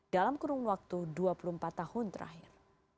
dalam kurun waktu dua puluh empat tahun terakhir